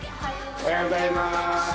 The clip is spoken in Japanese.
おはようございます。